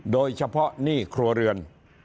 โดยเฉพาะหนี้ครัวเรือน